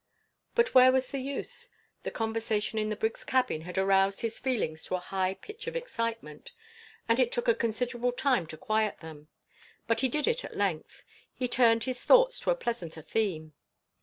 But where was the use? The conversation in the brig's cabin had aroused his feelings to a high pitch of excitement, and it took a considerable time to quiet them; but he did it at length. He turned his thoughts to a pleasanter theme.